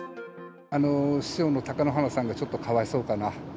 師匠の貴乃花さんがちょっとかわいそうかな。